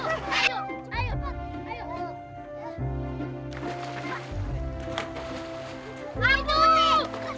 itu dia mak